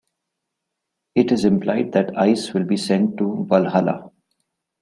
It is implied that Ice will be sent to Valhalla.